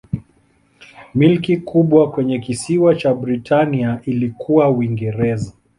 Milki kubwa kwenye kisiwa cha Britania ilikuwa Uingereza.